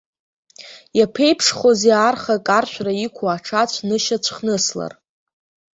Иаԥеиԥшхозеи арха каршәра иқәу аҽацә нышьацәхныслар?